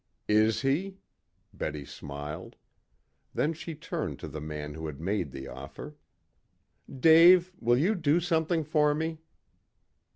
"Is he?" Betty smiled. Then she turned to the man who had made the offer. "Dave, will you do something for me?"